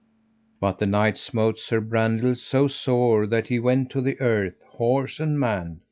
But the knight smote Sir Brandiles so sore that he went to the earth, horse and man.